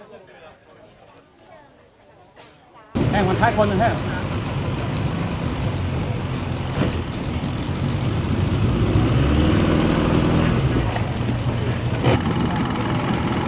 และพืชที่ตำบลประคบอบพธรรมดามาธุภารีครับ